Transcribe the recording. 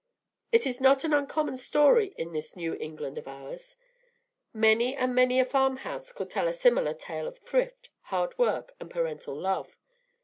It is not an uncommon story in this New England of ours. Many and many a farm house could tell a similar tale of thrift, hard work, and parental love.